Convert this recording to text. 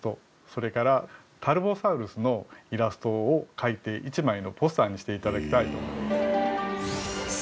それからタルボサウルスのイラストを描いて１枚のポスターにして頂きたい。